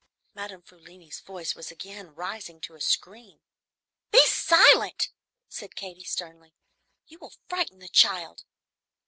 Madame Frulini's voice was again rising to a scream. "Be silent!" said Katy, sternly; "you will frighten the child.